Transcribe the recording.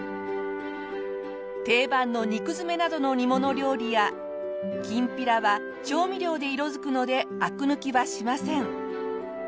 定番の肉詰めなどの煮物料理やきんぴらは調味料で色づくのでアク抜きはしません。